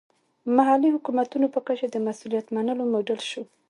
محلي حکومتونو په کچه د مسوولیت منلو موډل شو.